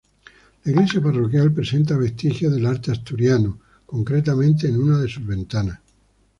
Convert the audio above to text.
La iglesia parroquial presenta vestigios del arte asturiano, concretamente en una de sus ventanas.